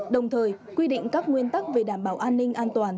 đồng thời quy định các nguyên tắc về đảm bảo an ninh an toàn